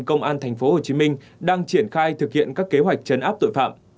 công an tp hcm đang triển khai thực hiện các kế hoạch chấn áp tội phạm